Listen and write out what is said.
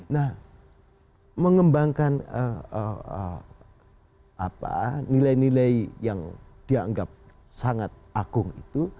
nah mengembangkan nilai nilai yang dianggap sangat agung itu